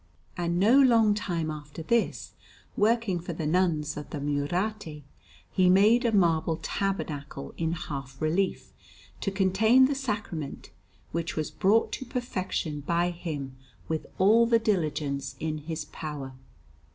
And no long time after this, working for the Nuns of the Murate, he made a marble tabernacle in half relief to contain the Sacrament, which was brought to perfection by him with all the diligence in his power.